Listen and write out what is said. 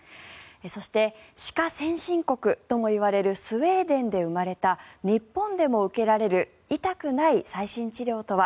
そして、歯科先進国ともいわれるスウェーデンで生まれた日本でも受けられる痛くない最新治療とは。